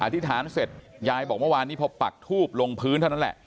อธิษฐานเสร็จยายบอกว่าวานนี้พอพลักทูบลงพื้น